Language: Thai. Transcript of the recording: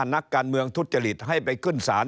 นักการเมืองทุจริตให้ไปขึ้นศาล